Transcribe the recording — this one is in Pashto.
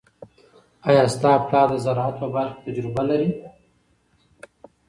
آیا ستا پلار د زراعت په برخه کې تجربه لري؟